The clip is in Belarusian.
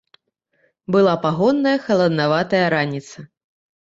Была пагодная, халаднаватая раніца.